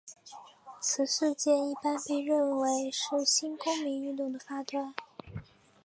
此事件一般被认为是新公民运动的发端。